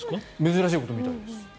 珍しいことみたいです。